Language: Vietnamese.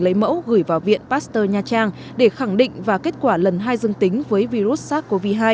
lấy mẫu gửi vào viện pasteur nha trang để khẳng định và kết quả lần hai dương tính với virus sars cov hai